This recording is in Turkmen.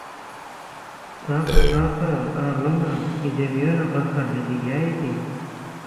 - Kaka, kaka... Aglama, ejem ýöne gaharyna diýäýdi.